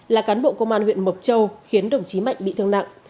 là cán bộ công an huyện mộc châu khiến đồng chí mạnh bị thương nặng